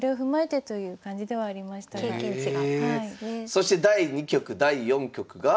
そして第２局第４局が？